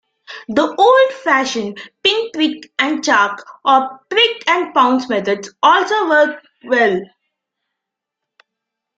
The old-fashioned "pinprick and chalk" or "prick and pounce" methods also work well.